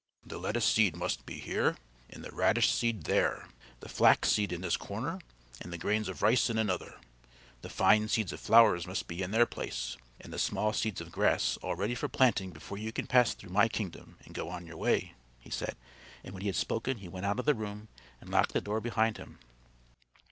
"The lettuce seed must be here, and the radish seed there; the flax seed in this corner and the grains of rice in another; the fine seeds of flowers must be in their place, and the small seeds of grass all ready for planting before you can pass through my kingdom and go on your way," he said; and when he had spoken he went out of the room and locked the door behind him.